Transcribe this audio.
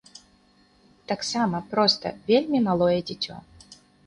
Таксама, проста, вельмі малое дзіцё.